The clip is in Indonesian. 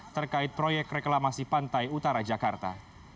terkait proyek reklamasi pantai utara jakarta